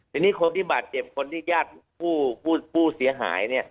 ทีนี้คนที่บาดเจ็บคนที่ญาติผู้เสียหายเนี่ย